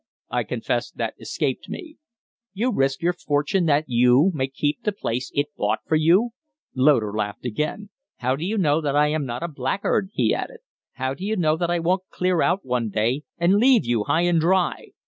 I confess that escaped me." "You risk your fortune that you, may keep the place it bought for you?" Loder laughed again. "How do you know that I am not a blackguard?" he added. "How do you know that I won't clear out one day and leave you high and dry?